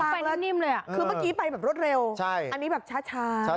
ไปนิ่มเลยอ่ะคือเมื่อกี้ไปแบบรถเร็วใช่อันนี้แบบช้า